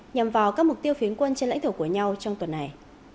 nhằm vào các mục tiêu phiến quân trên lãnh thổ của nhau trong tuần này